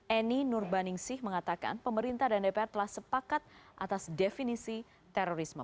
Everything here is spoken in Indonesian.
eni nurbaningsih mengatakan pemerintah dan dpr telah sepakat atas definisi terorisme